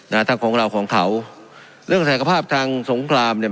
ทั้งของเราของเขาเรื่องศักภาพทางสงครามเนี่ย